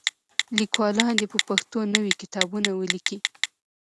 لیکوالان دې په پښتو نوي کتابونه ولیکي.